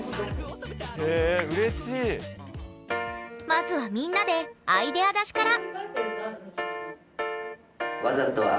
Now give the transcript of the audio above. まずはみんなでアイデア出しから！